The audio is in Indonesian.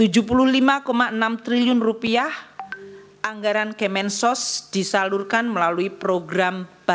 rp tujuh puluh lima enam triliun anggaran kemensos disalurkan melalui program